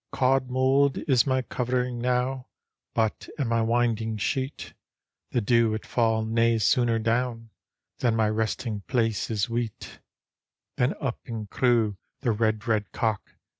" Cauld mould is my covering now. But and my winding sheet; The dew it fall nae sooner down Then my resting place is weet" Then up and crew the red, red cock.